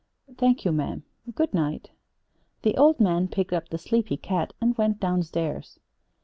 "Thank you, ma'am. Good night." The old man picked up the sleepy cat and went down stairs.